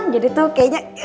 jadi tuh kayaknya